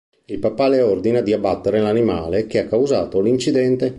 Il papà le ordina di abbattere l’animale che ha causato l'incidente.